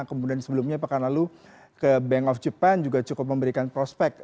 kemudian sebelumnya pekan lalu ke bank of japan juga cukup memberikan prospek